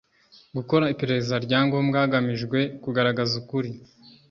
gukora iperereza rya ngombwa hagamijwe kugaragaza ukuri